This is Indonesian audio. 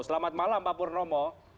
selamat malam pak purnomo